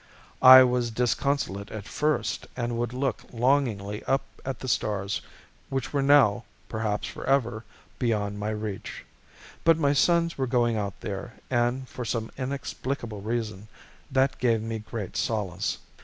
I was disconsolate at first and would look longingly up at the stars which were now, perhaps forever, beyond my reach. But my sons were going out there and, for some inexplicable reason, that gave me great solace.